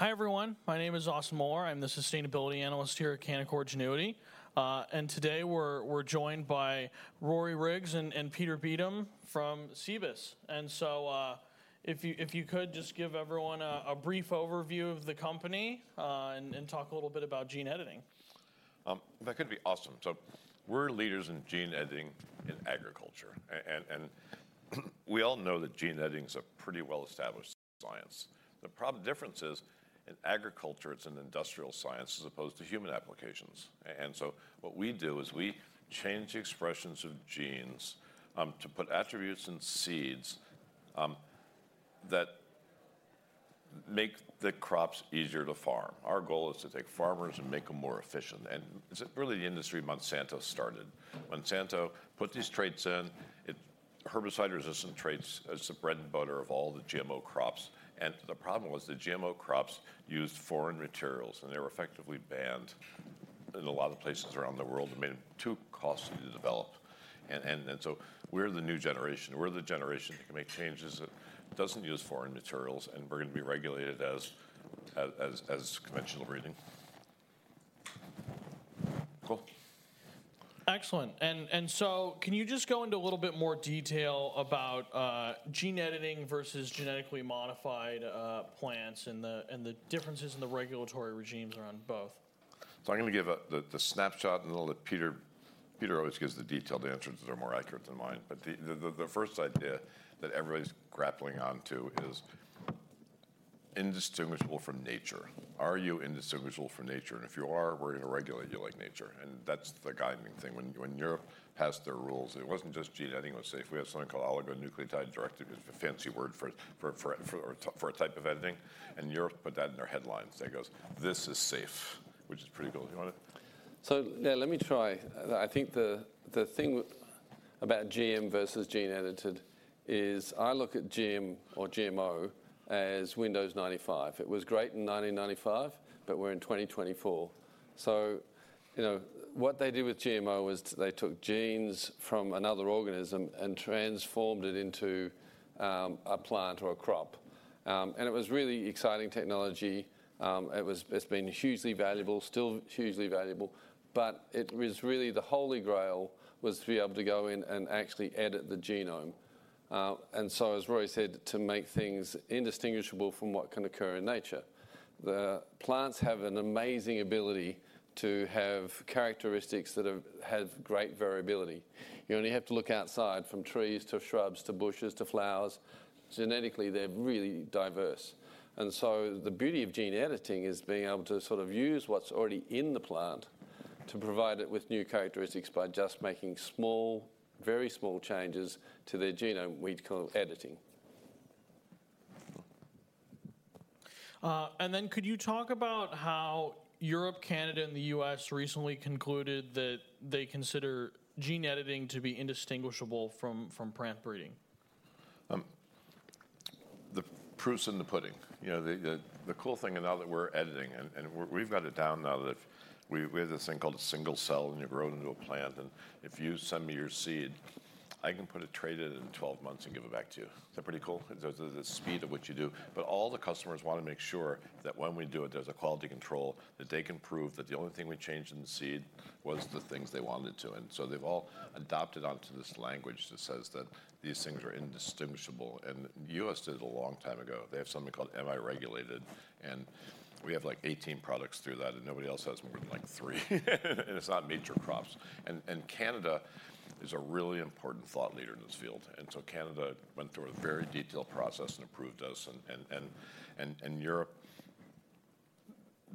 Hi, everyone. My name is Austin Moeller. I'm the sustainability analyst here at Canaccord Genuity. And today, we're joined by Rory Riggs and Peter Beetham from Cibus. And so, if you could just give everyone a brief overview of the company, and talk a little bit about gene editing. That could be awesome. So we're leaders in gene editing in agriculture. We all know that gene editing is a pretty well-established science. The difference is, in agriculture, it's an industrial science as opposed to human applications. So what we do is we change the expressions of genes to put attributes in seeds that make the crops easier to farm. Our goal is to take farmers and make them more efficient, and it's really the industry Monsanto started. Monsanto put these traits in, herbicide-resistant traits. It's the bread and butter of all the GMO crops. The problem was that GMO crops used foreign materials, and they were effectively banned in a lot of places around the world. It made it too costly to develop. So we're the new generation. We're the generation that can make changes, that doesn't use foreign materials, and we're going to be regulated as conventional breeding. Cool. Excellent. And so can you just go into a little bit more detail about gene editing versus genetically modified plants and the differences in the regulatory regimes around both? So I'm going to give the snapshot, and then let Peter—Peter always gives the detailed answers that are more accurate than mine. But the first idea that everybody's grappling onto is indistinguishable from nature. Are you indistinguishable from nature? And if you are, we're going to regulate you like nature, and that's the guiding thing. When Europe passed their rules, it wasn't just gene editing was safe. We have something called oligonucleotide-directed mutagenesis, which is a fancy word for a type of editing, and Europe put that in their headlines. That goes, "This is safe," which is pretty cool. Do you want to? So, yeah, let me try. I think the thing about GM versus gene edited is I look at GM or GMO as Windows 95. It was great in 1995, but we're in 2024. So, you know, what they did with GMO was they took genes from another organism and transformed it into a plant or a crop. And it was really exciting technology. It was—it's been hugely valuable, still hugely valuable, but it was really the Holy Grail, was to be able to go in and actually edit the genome. And so as Rory said, to make things indistinguishable from what can occur in nature. The plants have an amazing ability to have characteristics that have great variability. You only have to look outside from trees, to shrubs, to bushes, to flowers. Genetically, they're really diverse. The beauty of gene editing is being able to sort of use what's already in the plant to provide it with new characteristics by just making small, very small changes to their genome, which we call editing. Could you talk about how Europe, Canada, and the U.S. recently concluded that they consider gene editing to be indistinguishable from plant breeding? The proof's in the pudding. You know, the cool thing is now that we're editing, and we've got it down now that if we... We have this thing called a single cell, and it grown into a plant, and if you send me your seed, I can put a trait in 12 months and give it back to you. Is that pretty cool? The speed at which you do. But all the customers want to make sure that when we do it, there's a quality control, that they can prove that the only thing we changed in the seed was the things they wanted to. And so they've all adopted onto this language that says that these things are indistinguishable, and U.S. did it a long time ago. They have something called "Am I Regulated?", and we have, like, 18 products through that, and nobody else has more than, like, 3. And Europe,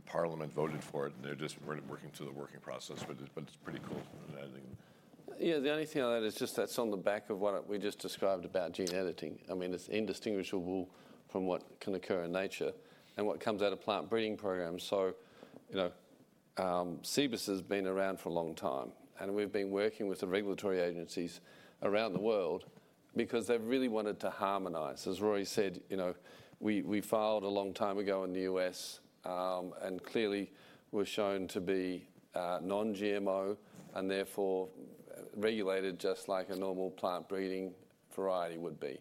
Parliament voted for it, and they're just sort of working through the working process, but it's pretty cool, I think. Yeah, the only thing on that is just that's on the back of what we just described about gene editing. I mean, it's indistinguishable from what can occur in nature and what comes out of plant breeding programs. So, you know, Cibus has been around for a long time, and we've been working with the regulatory agencies around the world because they've really wanted to harmonize. As Rory said, you know, we filed a long time ago in the U.S., and clearly were shown to be non-GMO and therefore regulated just like a normal plant breeding variety would be.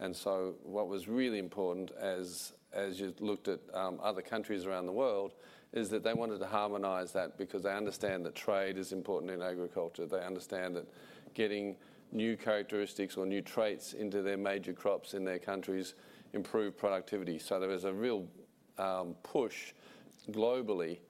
And so what was really important as you looked at other countries around the world is that they wanted to harmonize that because they understand that trade is important in agriculture. They understand that getting new characteristics or new traits into their major crops in their countries improve productivity. So there is a real push globally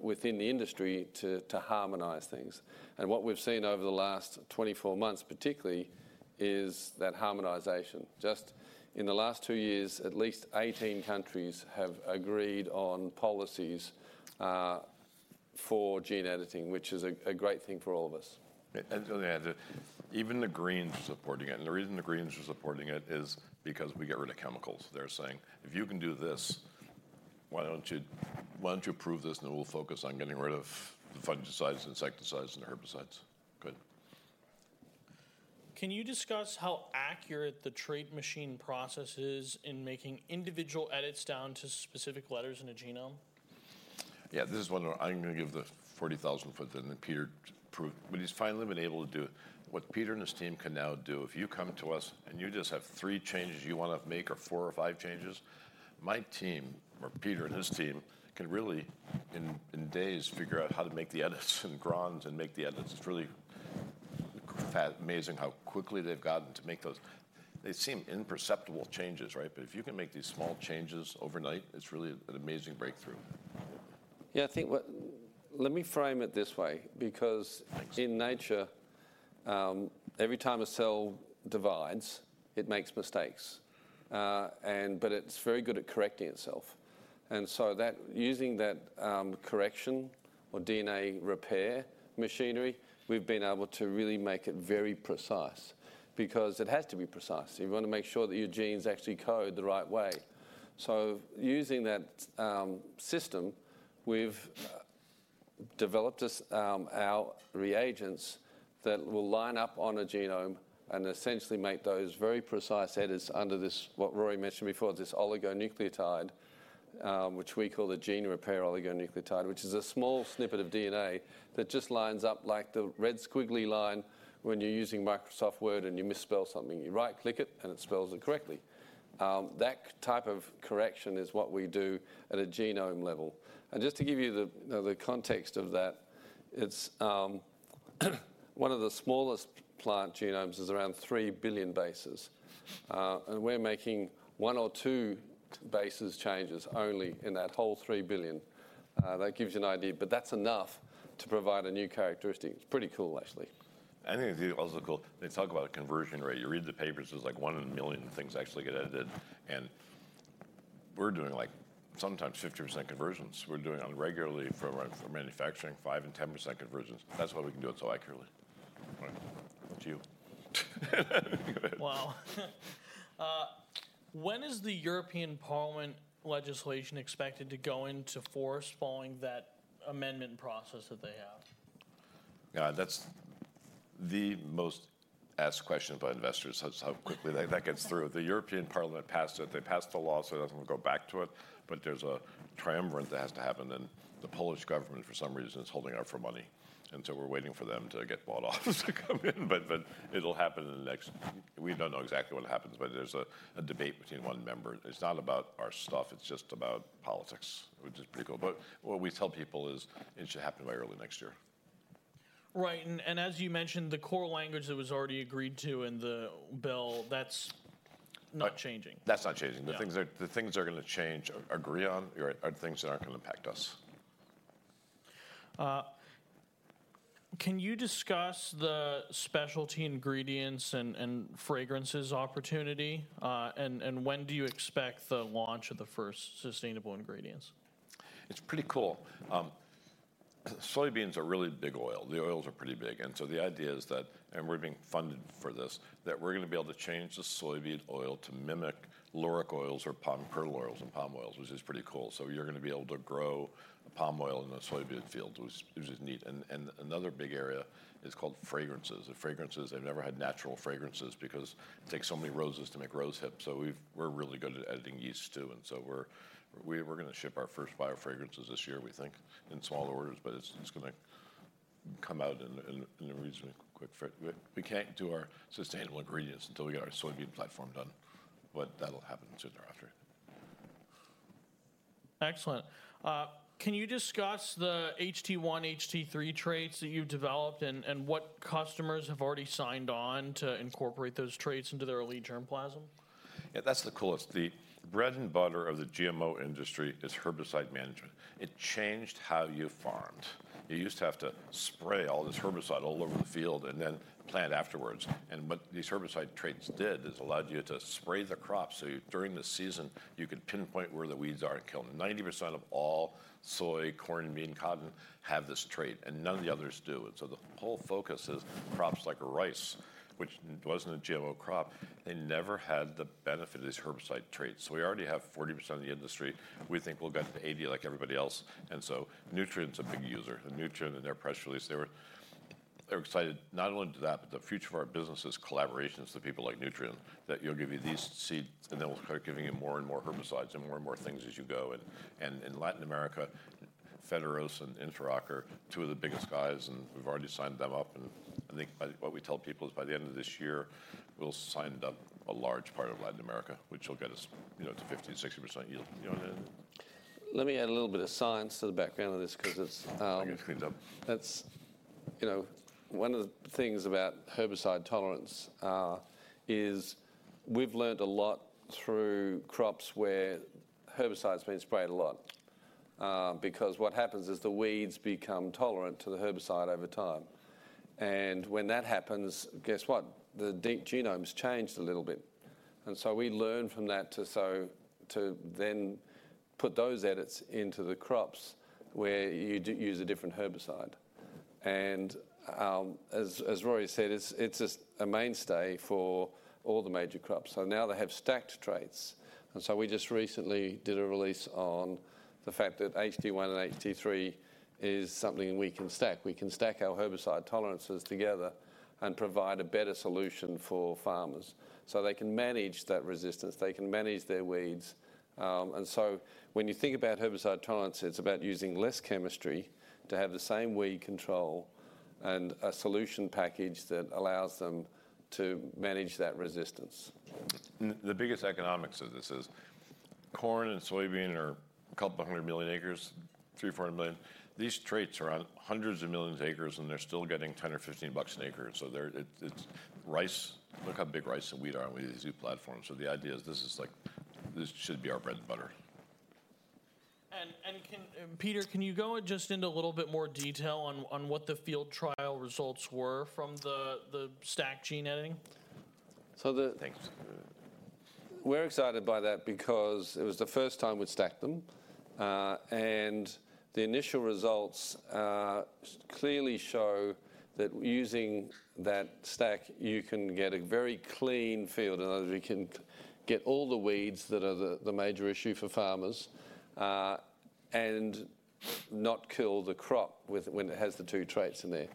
within the industry to harmonize things. And what we've seen over the last 24 months, particularly, is that harmonization. Just in the last two years, at least 18 countries have agreed on policies for gene editing, which is a great thing for all of us. And let me add, even the Greens are supporting it, and the reason the Greens are supporting it is because we get rid of chemicals. They're saying: "If you can do this, why don't you, why don't you approve this, and then we'll focus on getting rid of the fungicides, insecticides, and herbicides?" Good. Can you discuss how accurate the Trait Machine process is in making individual edits down to specific letters in a genome?... Yeah, this is one where I'm gonna give the 40,000-foot view, and then Peter. But he's finally been able to do it. What Peter and his team can now do, if you come to us, and you just have three changes you wanna make, or four or five changes, my team, or Peter and his team, can really, in days, figure out how to make the edits in gRNAs and make the edits. It's really amazing how quickly they've gotten to make those. They seem imperceptible changes, right? But if you can make these small changes overnight, it's really an amazing breakthrough. Let me frame it this way, because- Thanks... in nature, every time a cell divides, it makes mistakes. And but it's very good at correcting itself, and so that, using that, correction or DNA repair machinery, we've been able to really make it very precise. Because it has to be precise. You wanna make sure that your genes actually code the right way. So using that, system, we've developed this, our reagents that will line up on a genome and essentially make those very precise edits under this, what Rory mentioned before, this oligonucleotide, which we call the gene repair oligonucleotide, which is a small snippet of DNA that just lines up like the red squiggly line when you're using Microsoft Word and you misspell something. You right-click it, and it spells it correctly. That type of correction is what we do at a genome level. Just to give you the, you know, the context of that, it's one of the smallest plant genomes is around 3 billion bases, and we're making 1 or 2 bases changes only in that whole 3 billion. That gives you an idea, but that's enough to provide a new characteristic. It's pretty cool, actually. I think it's also cool. They talk about conversion rate. You read the papers, it's like one in a million things actually get edited, and we're doing, like, sometimes 50% conversions. We're doing on regularly for our, for manufacturing, 5% and 10% conversions. That's why we can do it so accurately. Right. To you. Go ahead. Wow! When is the European Parliament legislation expected to go into force following that amendment process that they have? Yeah, that's the most asked question by investors: is how quickly that gets through. The European Parliament passed it. They passed a law, so it doesn't go back to it, but there's a triumvirate that has to happen, and the Polish government, for some reason, is holding out for money, and so we're waiting for them to get bought off to come in between. But it'll happen in the next... We don't know exactly when it happens, but there's a debate between one member. It's not about our stuff. It's just about politics, which is pretty cool. But what we tell people is, it should happen by early next year. Right, and as you mentioned, the core language that was already agreed to in the bill, that's not changing. That's not changing. Yeah. The things that are gonna change, agree on, are things that aren't gonna impact us. Can you discuss the specialty ingredients and fragrances opportunity? And when do you expect the launch of the first sustainable ingredients? It's pretty cool. Soybeans are really big oil. The oils are pretty big, and so the idea is that, and we're being funded for this, that we're gonna be able to change the soybean oil to mimic lauric oils or palm kernel oils and palm oils, which is pretty cool. So you're gonna be able to grow palm oil in a soybean field, which is neat. And another big area is called fragrances. The fragrances, they've never had natural fragrances because it takes so many roses to make rose oil, so we've, we're really good at editing yeast too, and so we're gonna ship our first bio-fragrances this year, we think, in small orders, but it's gonna come out in a reasonably quick frame. We can't do our sustainable ingredients until we get our soybean platform done, but that'll happen sooner or after. Excellent. Can you discuss the HT1, HT3 traits that you've developed and, and what customers have already signed on to incorporate those traits into their elite germplasm? Yeah, that's the coolest. The bread and butter of the GMO industry is herbicide management. It changed how you farmed. You used to have to spray all this herbicide all over the field and then plant afterwards, and but these herbicide traits did, is allowed you to spray the crop, so during the season, you could pinpoint where the weeds are and kill them. 90% of all soy, corn, bean, cotton have this trait, and none of the others do. And so the whole focus is crops like rice, which wasn't a GMO crop, they never had the benefit of these herbicide traits. So we already have 40% of the industry. We think we'll get to 80, like everybody else, and so Nutrien's a big user. Nutrien, in their press release, they were, they're excited not only to that, but the future of our business is collaborations with people like Nutrien, that we'll give you these seeds, and then we'll start giving you more and more herbicides and more and more things as you go. And in Latin America, Fedearroz and Interoc are two of the biggest guys, and we've already signed them up, and I think, I think what we tell people is by the end of this year, we'll sign up a large part of Latin America, which will get us, you know, to 50%-60% yield, you know, and- Let me add a little bit of science to the background of this, 'cause it's I'll get it cleaned up. That's, you know... One of the things about herbicide tolerance is we've learned a lot through crops where herbicide's been sprayed a lot. Because what happens is the weeds become tolerant to the herbicide over time, and when that happens, guess what? The deep genome's changed a little bit, and so we learn from that, so to then put those edits into the crops where you do use a different herbicide. And as Rory said, it's a mainstay for all the major crops, so now they have stacked traits. And so we just recently did a release on the fact that HT1 and HT3 is something we can stack. We can stack our herbicide tolerances together and provide a better solution for farmers, so they can manage that resistance, they can manage their weeds. And so when you think about herbicide tolerance, it's about using less chemistry to have the same weed control and a solution package that allows them to manage that resistance. The biggest economics of this is, corn and soybean are 200 million acres, 300-400 million. These traits are on hundreds of millions of acres, and they're still getting $10-$15 an acre. So they're... Rice, look how big rice and wheat are with these new platforms. So the idea is this is like, this should be our bread and butter. Peter, can you go just into a little bit more detail on what the field trial results were from the stacked gene editing? So the- Thanks. We're excited by that because it was the first time we'd stacked them. And the initial results clearly show that using that stack, you can get a very clean field. In other words, we can get all the weeds that are the major issue for farmers, and not kill the crop when it has the two traits in there.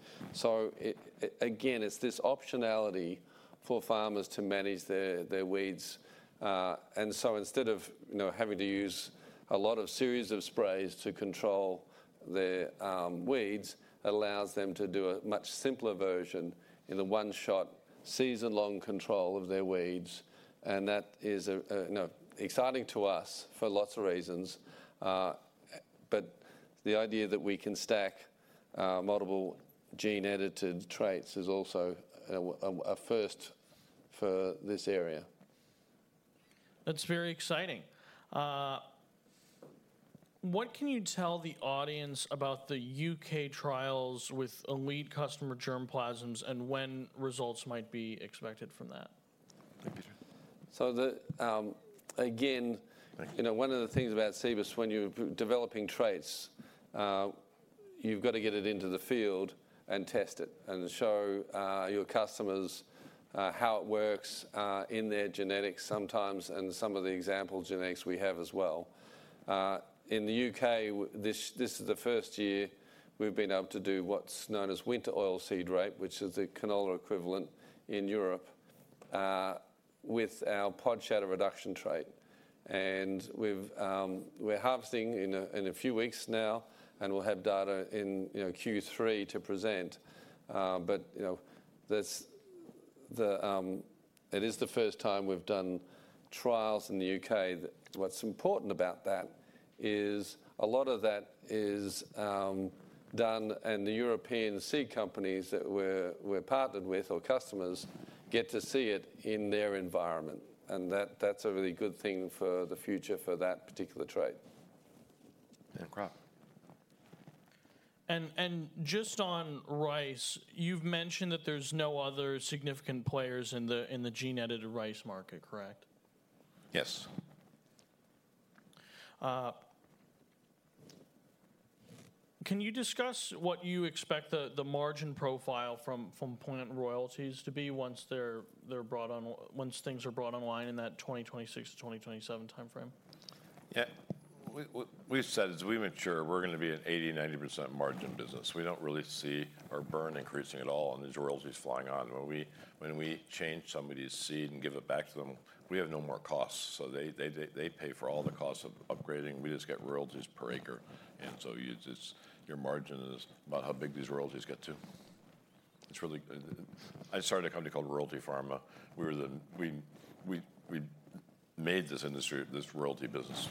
Again, it's this optionality for farmers to manage their weeds. And so instead of, you know, having to use a lot of series of sprays to control their weeds, it allows them to do a much simpler version in a one-shot, season-long control of their weeds. And that is, you know, exciting to us for lots of reasons. But the idea that we can stack multiple gene-edited traits is also a first for this area. That's very exciting. What can you tell the audience about the U.K. trials with elite customer germplasms, and when results might be expected from that? Thank you. So the, again- Thank you... you know, one of the things about Cibus, when you're developing traits, you've got to get it into the field and test it, and show your customers how it works in their genetics sometimes, and some of the example genetics we have as well. In the U.K., this is the first year we've been able to do what's known as winter oilseed rape, which is the canola equivalent in Europe, with our pod shatter reduction trait. And we've, we're harvesting in a few weeks now, and we'll have data in, you know, Q3 to present. But, you know, that's the... It is the first time we've done trials in the U.K.. What's important about that is a lot of that is done, and the European seed companies that we're partnered with or customers get to see it in their environment, and that's a really good thing for the future for that particular trait. And crop. And just on rice, you've mentioned that there's no other significant players in the gene-edited rice market, correct? Yes. Can you discuss what you expect the margin profile from plant royalties to be once they're brought on, once things are brought online in that 2026 to 2027 timeframe? Yeah. We've said as we mature, we're gonna be an 80%-90% margin business. We don't really see our burn increasing at all, and these royalties flying on. When we change somebody's seed and give it back to them, we have no more costs, so they pay for all the costs of upgrading. We just get royalties per acre, and so your margin is about how big these royalties get to. It's really... I started a company called Royalty Pharma, where we made this industry, this royalty business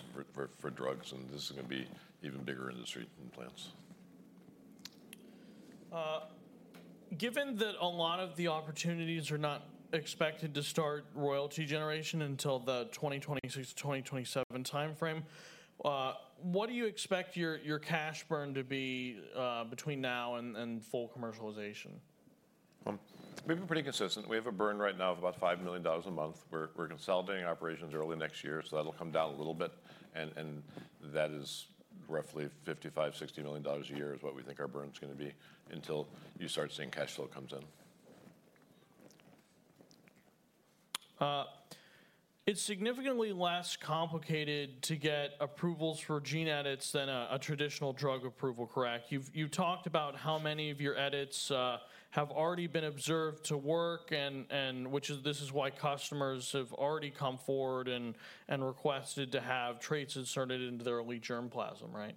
for drugs, and this is gonna be even bigger industry than plants. Given that a lot of the opportunities are not expected to start royalty generation until the 2026 to 2027 timeframe, what do you expect your, your cash burn to be, between now and, and full commercialization? We've been pretty consistent. We have a burn right now of about $5 million a month. We're consolidating operations early next year, so that'll come down a little bit. And that is roughly $55-$60 million a year, is what we think our burn's gonna be until you start seeing cash flow comes in. It's significantly less complicated to get approvals for gene edits than a traditional drug approval, correct? You've talked about how many of your edits have already been observed to work, and this is why customers have already come forward and requested to have traits inserted into their elite germplasm, right?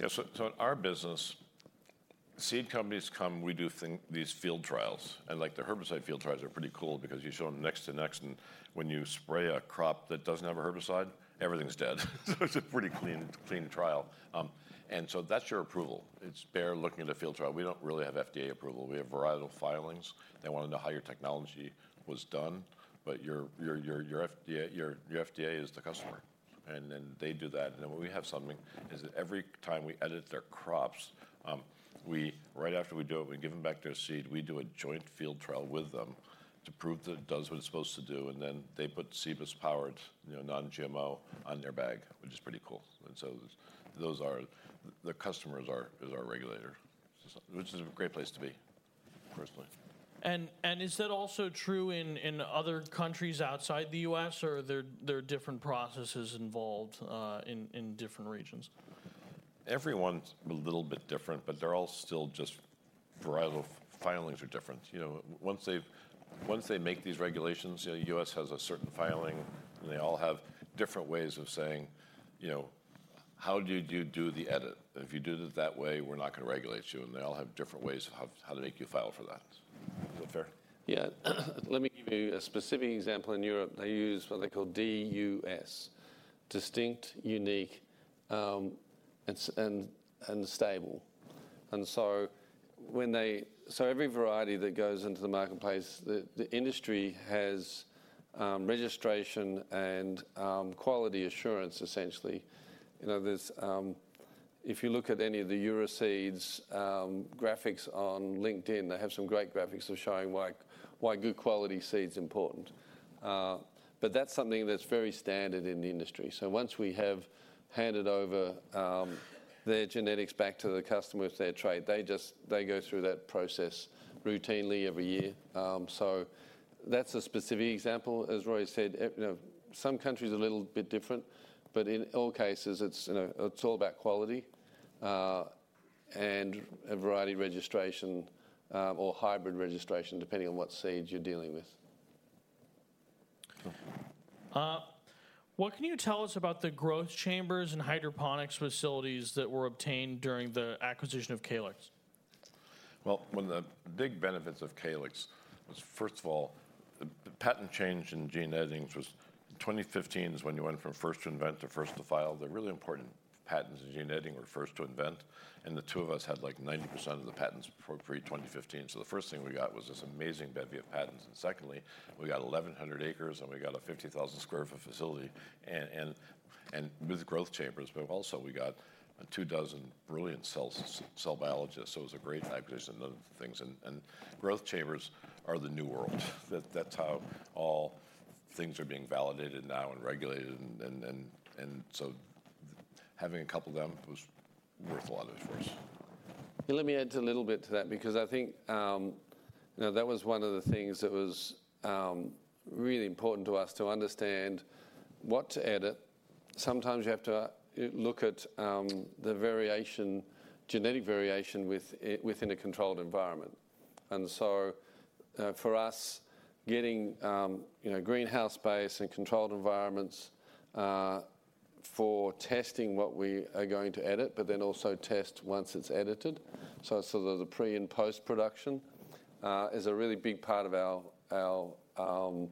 Yeah. So in our business, seed companies come, we do thing, these field trials. Like, the herbicide field trials are pretty cool because you show them next to next, and when you spray a crop that doesn't have a herbicide, everything's dead. So it's a pretty clean trial. And so that's your approval. It's basically just looking at a field trial. We don't really have FDA approval. We have varietal filings. They wanna know how your technology was done, but your FDA is the customer, and then they do that. And then when we have something, every time we edit their crops, right after we do it, we give them back their seed. We do a joint field trial with them to prove that it does what it's supposed to do, and then they put Cibus Powered, you know, non-GMO on their bag, which is pretty cool. And so those are the customers, which is a great place to be, personally. Is that also true in other countries outside the U.S., or are there different processes involved in different regions? Everyone's a little bit different, but they're all still just varietal filings are different. You know, once they make these regulations, you know, U.S. has a certain filing, and they all have different ways of saying, you know, "How did you do the edit? If you did it that way, we're not gonna regulate you." And they all have different ways of how to make you file for that. Is that fair? Yeah. Let me give you a specific example. In Europe, they use what they call DUS: distinct, unique, and stable. So every variety that goes into the marketplace, the industry has registration and quality assurance, essentially. You know, there's if you look at any of the Euroseeds graphics on LinkedIn, they have some great graphics of showing why good quality seed's important. But that's something that's very standard in the industry. So once we have handed over their genetics back to the customer with their trait, they just, they go through that process routinely every year. So that's a specific example. As Rory said, you know, some countries are a little bit different, but in all cases, it's, you know, it's all about quality, and a variety registration, or hybrid registration, depending on what seeds you're dealing with. What can you tell us about the growth chambers and hydroponics facilities that were obtained during the acquisition of Calyxt? Well, one of the big benefits of Calyxt was, first of all, the patent change in gene editing, which was 2015 is when you went from first to invent to first to file. The really important patents in gene editing were first to invent, and the two of us had, like, 90% of the patents pre-2015. So the first thing we got was this amazing bevy of patents. And secondly, we got 1,100 acres, and we got a 50,000 sq ft facility and with growth chambers, but also we got 24 brilliant cell biologists, so it was a great acquisition of things. Growth chambers are the new world. That's how all things are being validated now and regulated, so having a couple of them was worth a lot to us. Let me add a little bit to that because I think, you know, that was one of the things that was really important to us to understand what to edit. Sometimes you have to look at the variation, genetic variation within a controlled environment. And so, for us, getting, you know, greenhouse space and controlled environments for testing what we are going to edit, but then also test once it's edited, so there's a pre- and post-production is a really big part of our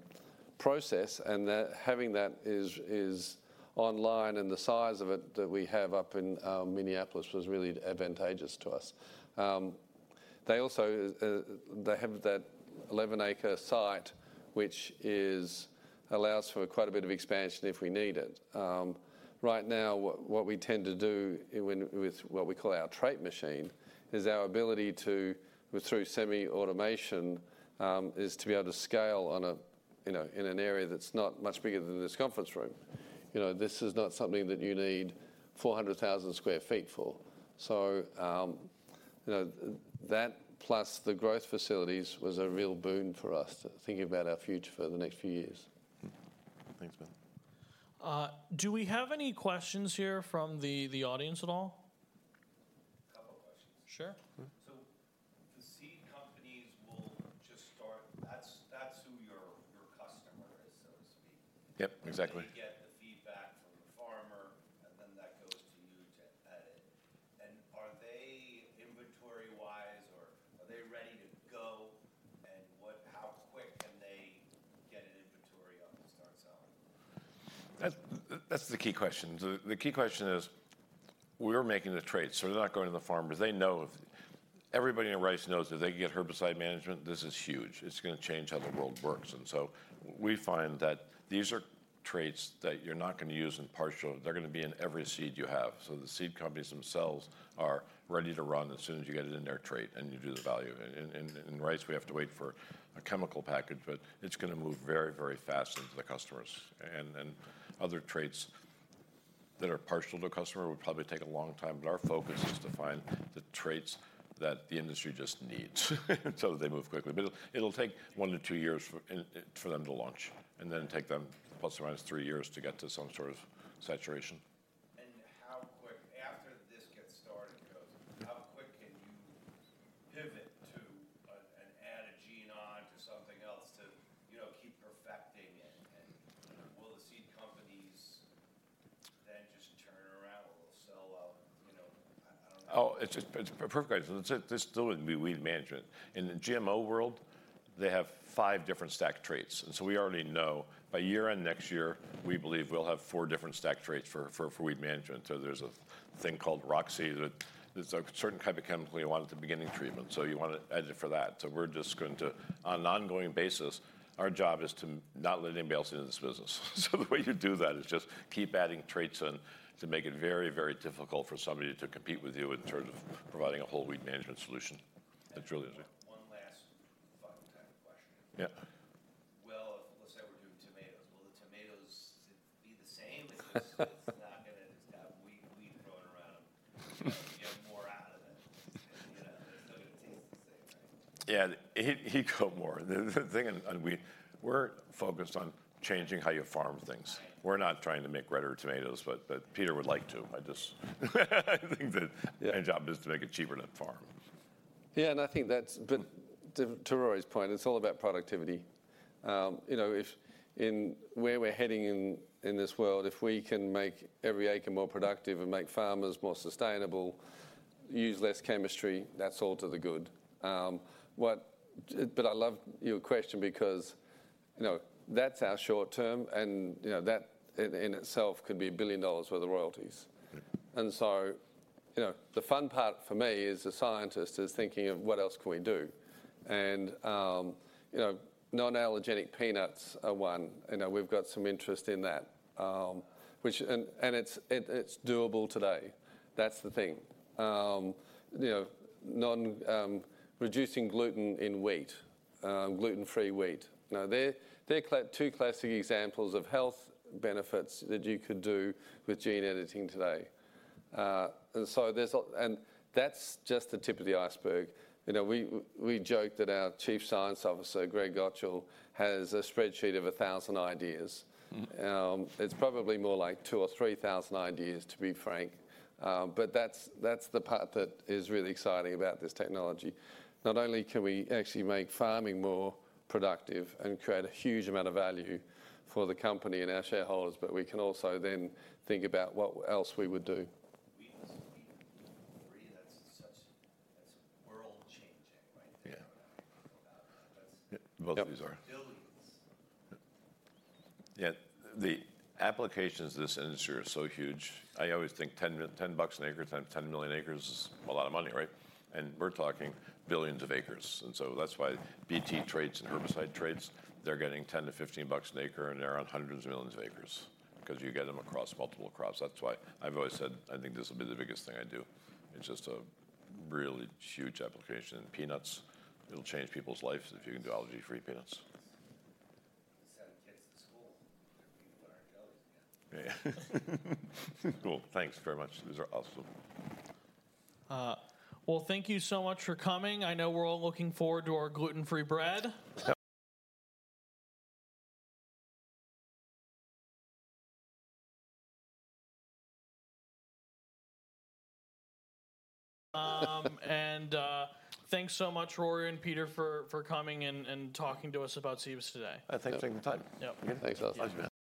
process. And that, having that is online, and the size of it that we have up in Minneapolis was really advantageous to us. They also have that 11-acre site, which allows for quite a bit of expansion if we need it. Right now, what we tend to do when with what we call our Trait Machine is our ability to through semi-automation is to be able to scale on a, you know, in an area that's not much bigger than this conference room. You know, this is not something that you need 400,000 sq ft for. So, you know, that plus the growth facilities was a real boon for us, thinking about our future for the next few years. Hmm. Thanks, Ben. Do we have any questions here from the audience at all? A couple questions. Sure. Mm-hmm. So the seed companies will just start... That's, that's who your, your customer is, so to speak? Yep, exactly. They get the feedback from the farmer, and then that goes to you to edit. And are they inventory-wise, or are they ready to go? And how quick can they get an inventory up to start selling? That's the key question. The key question is, we're making the traits, so they're not going to the farmers. They know if... Everybody in rice knows if they can get herbicide management, this is huge. It's gonna change how the world works. And so we find that these are traits that you're not gonna use in partial. They're gonna be in every seed you have. So the seed companies themselves are ready to run as soon as you get it in their trait, and you do the value. In rice, we have to wait for a chemical package, but it's gonna move very, very fast into the customers. And other traits that are partial to a customer would probably take a long time, but our focus is to find the traits that the industry just needs so that they move quickly. But it'll take 1-2 years for them to launch, and then take them +3 years to get to some sort of saturation. How quick after this gets started, guys, how quick can you pivot to and add a gene on to something else to, you know, keep perfecting it? Will the seed companies then just turn around or they'll sell out? You know, I don't know. Oh, it's just, it's perfect. So this still would be weed management. In the GMO world, they have five different stack traits, and so we already know by year-end next year, we believe we'll have four different stack traits for, for, for weed management. So there's a thing called ROXY. There's a certain type of chemical you want at the beginning treatment, so you want to edit for that. So we're just going to... On an ongoing basis, our job is to not let anybody else into this business. So the way you do that is just keep adding traits in to make it very, very difficult for somebody to compete with you in terms of providing a whole weed management solution. It's really interesting. One last final type of question. Yeah.... the same, it's just, it's not gonna just have wheat, wheat growing around. You get more out of it, and, you know, it's still gonna taste the same, right? Yeah, he'd grow more. The thing, and we're focused on changing how you farm things. Right. We're not trying to make redder tomatoes, but, but Peter would like to. I just, I think that- Yeah... my job is to make it cheaper to farm. Yeah, and I think that's... but to Rory's point, it's all about productivity. You know, if in where we're heading in, in this world, if we can make every acre more productive and make farmers more sustainable, use less chemistry, that's all to the good. But I love your question because, you know, that's our short term, and, you know, that in, in itself could be $1 billion worth of royalties. Mm. And so, you know, the fun part for me as a scientist is thinking of what else can we do? And, you know, non-allergenic peanuts are one. You know, we've got some interest in that, and it's doable today. That's the thing. You know, reducing gluten in wheat, gluten-free wheat. Now, they're two classic examples of health benefits that you could do with gene editing today. And that's just the tip of the iceberg. You know, we joke that our Chief Scientific Officer, Greg Gocal, has a spreadsheet of 1,000 ideas. Mm. It's probably more like 2,000 or 3,000 ideas, to be frank. But that's, that's the part that is really exciting about this technology. Not only can we actually make farming more productive and create a huge amount of value for the company and our shareholders, but we can also then think about what else we would do. Wheat, wheat-free, that's such, that's world-changing, right? Yeah. Without that, that's- Both of these are. Billions. Yeah, the applications of this industry are so huge. I always think $10 an acre × 10 million acres is a lot of money, right? And we're talking billions of acres, and so that's why Bt traits and herbicide traits, they're getting $10-$15 an acre, and they're on hundreds of millions of acres. 'Cause you get them across multiple crops. That's why I've always said I think this will be the biggest thing I do. It's just a really huge application. Peanuts, it'll change people's lives if you can do allergy-free peanuts. Send kids to school, eating peanut butter and jellies again. Yeah. Cool, thanks very much. These are awesome. Well, thank you so much for coming. I know we're all looking forward to our gluten-free bread. And thanks so much, Rory and Peter, for coming and talking to us about Cibus today. Thanks for taking the time. Yep. Thanks a lot, man.